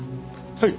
はい。